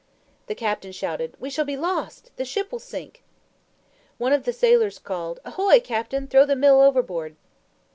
The captain shouted, "We shall be lost! The ship will sink!" One of the sailors called, "Ahoy, captain! Throw the Mill overboard."